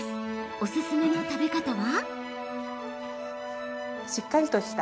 おすすめの食べ方は。